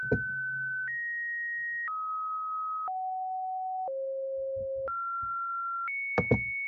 Iɛawed-as ssbiɣa i wexxam.